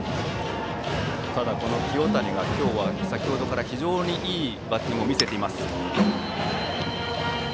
清谷が今日は先程から非常にいいバッティングを見せています。